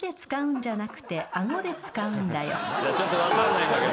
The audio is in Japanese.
ちょっと分かんないんだけど。